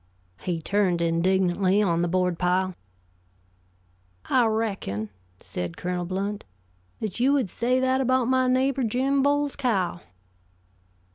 He turned indignantly on the board pile. "I reckon," said Colonel Blount, "that you would say that about my neighbor Jim Bowles' cow?"